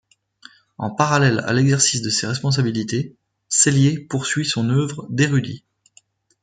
En parallèle à l'exercice de ses responsabilités, Celier poursuit son œuvre d'érudit.